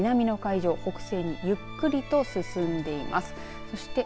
沖縄の南の海上北西にゆっくりと進んでいます。